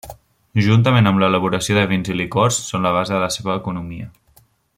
Juntament amb l'elaboració de vins i licors són la base de la seva economia.